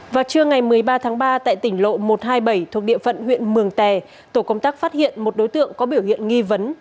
vào trưa ngày một mươi ba tháng ba tại tỉnh lộ một trăm hai mươi bảy thuộc địa phận huyện mường tè tổ công tác phát hiện một đối tượng có biểu hiện nghi vấn